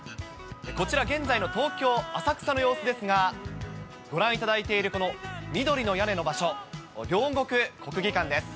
こちら、現在の東京・浅草の様子ですが、ご覧いただいているこの緑の屋根の場所、両国国技館です。